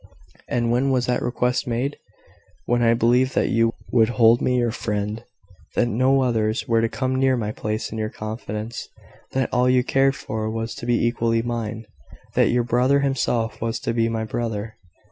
"And when was that request made? When I believed that you would hold me your friend that no others were to come near my place in your confidence that all you cared for was to be equally mine that your brother himself was to be my brother.